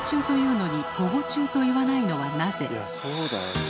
いやそうだよねえ。